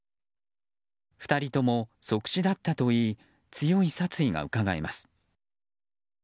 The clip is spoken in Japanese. ２人とも即死だったといい強い殺意がうかがえます。